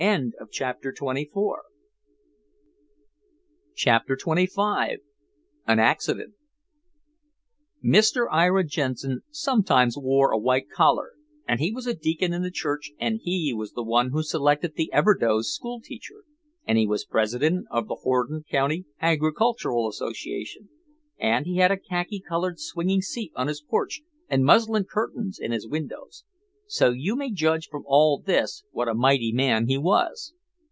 CHAPTER XXV AN ACCIDENT Mr. Ira Jensen sometimes wore a white collar and he was deacon in the church and he was the one who selected the Everdoze school teacher, and he was president of the Borden County Agricultural Association and he had a khaki colored swinging seat on his porch and muslin curtains in his windows. So you may judge from all this what a mighty man he was.